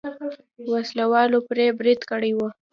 وسله والو پرې برید کړی و.